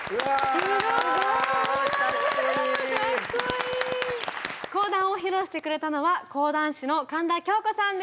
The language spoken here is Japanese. すごい！講談を披露してくれたのは京子さん